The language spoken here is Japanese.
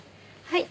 はい。